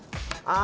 あ！